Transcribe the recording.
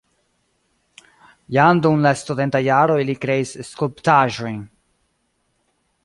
Jam dum la studentaj jaroj li kreis skulptaĵojn.